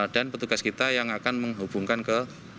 dan petugas kita yang akan menghubungkan ke